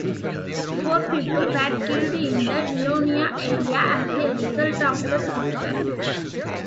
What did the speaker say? Four people were killed in the Vilonia area as a result of the twister.